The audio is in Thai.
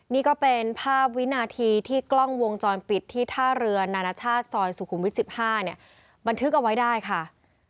นี่ก็เป็นภาพวินาทีที่กล้องวงจรปิดที่ท่าเรือนานาชาติซอยสุขุมวิท๑๕เนี่ยบันทึกเอาไว้ได้ค่ะ